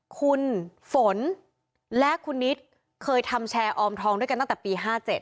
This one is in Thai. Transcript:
คุณฝนและคุณนิดเคยทำแชร์ออมทองด้วยกันตั้งแต่ปี๕๗